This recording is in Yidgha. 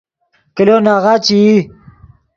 کلو ناغہ چے ای